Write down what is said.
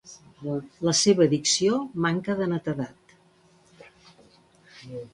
La seva dicció manca de netedat.